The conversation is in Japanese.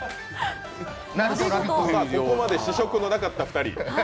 ここまで試食のなかった２人。